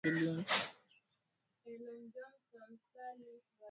Vyanzo hivyo havikutoa taarifa zaidi juu ya shambulizi la karibuni